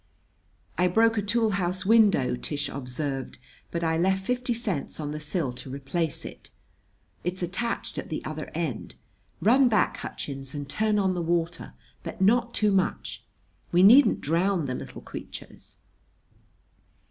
"I broke a tool house window," Tish observed, "but I left fifty cents on the sill to replace it. It's attached at the other end. Run back, Hutchins, and turn on the water; but not too much. We needn't drown the little creatures."